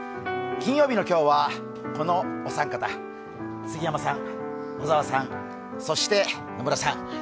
金曜日の今日はこのお三方、杉山さん、小沢さん、そして野村さん。